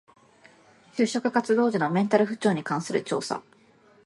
就職活動時のメンタル不調に関する調査